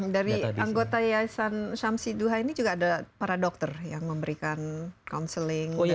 dari anggota yayasan syamsiduha ini juga ada para dokter yang memberikan counselling dan lain sebagainya